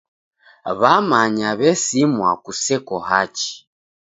W'amanya w'esimwa kuseko hachi.